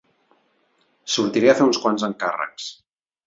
Sortiré a fer uns quants encàrrecs.